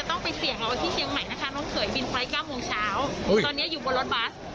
โอ้ยเนี่ยผู้โดยสารก็บอกว่า